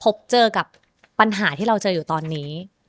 พบเจอกับปัญหาที่เราเจออยู่ตอนนี้